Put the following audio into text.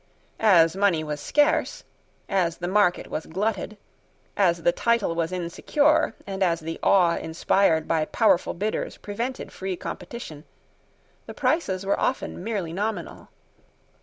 As money was scarce, as the market was glutted, as the title was insecure and as the awe inspired by powerful bidders prevented free competition, the prices were often merely nominal.